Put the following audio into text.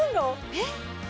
えっ。